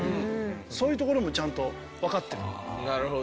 そういうところもちゃんとわかってる。